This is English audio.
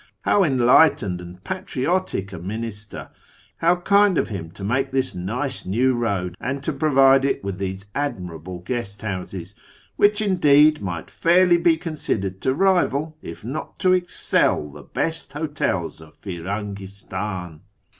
" How enlightened and patriotic a minister ! How kind of him to make this nice new road, and to provide it with these admirable guest houses, which, indeed, might fairly be considered to rival, if not to excel, the best hotels of Firangistan